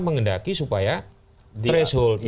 mengendaki supaya threshold